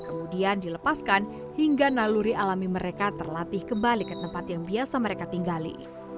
kemudian dilepaskan hingga naluri alami mereka terlatih kembali ke tempat yang biasa mereka tinggali